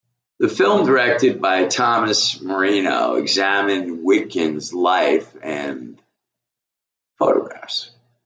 The film, directed by Thomas Marino, examines Witkin's life and photographs.